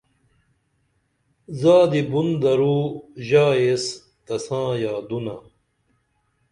زادی بُن درو ژا ایس تساں یادونہ